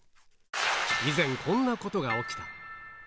以前、こんなことが起きた。